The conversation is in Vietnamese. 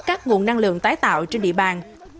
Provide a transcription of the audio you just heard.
các nguồn năng lượng tái tạo trên địa bàn